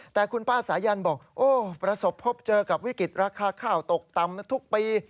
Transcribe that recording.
แต่คุณป้าสายันบอกโอ้ประสบพบเจอกับวิกฤตราคาข้าวตกต่ำทุกปี